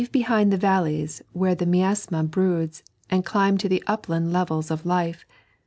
behind the vallej^ where the mutsnui broods, and climb to the upUnd levels ot life.